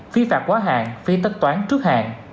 phí phạt quá hạn phí tất toán trước hạn